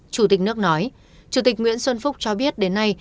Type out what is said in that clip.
chủ tịch nước nói chủ tịch nguyễn xuân phúc cho biết đến nay